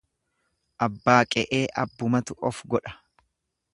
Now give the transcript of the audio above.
Abbaa qe'ee abbumatu ofgodha.